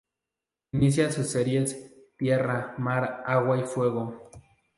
Inicia sus series "Tierra, Mar, Agua y Fuego".